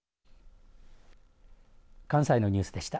関西のニュースでした。